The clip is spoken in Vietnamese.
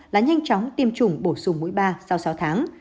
là nhanh chóng tiêm chủng bổ sung mũi ba sau sáu tháng